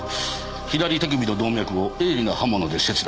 左手首の動脈を鋭利な刃物で切断。